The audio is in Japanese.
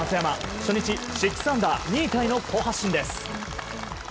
初日６アンダー２位タイの好発進です。